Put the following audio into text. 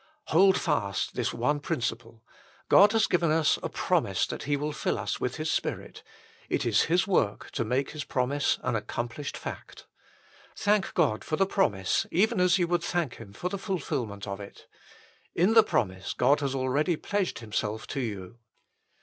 Hold fast this one principle : God has given us a promise that He will fill us with His Spirit. It is His work to make His promise an accomplished fact. Thank God for the promise even as you would thank Him for the fulfilment of it. In the promise God has already pledged Himself to you.